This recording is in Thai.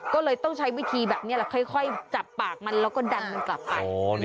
ก็เลยต้องใช้วิธีแบบนี้แหละค่อยจับปากมันแล้วก็ดันมันกลับไป